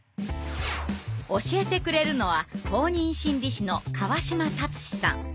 教えてくれるのは公認心理師の川島達史さん。